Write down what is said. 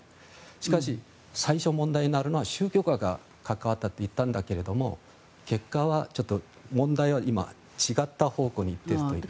しかし、最初問題になるのは宗教家が関わっていると言ったんだけれども結果はちょっと問題は今、違った方向に行っているという。